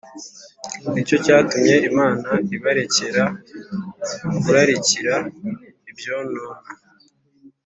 Ni cyo cyatumye Imana ibarekera kurarikira ibyonona